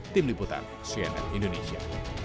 tim liputan cnn indonesia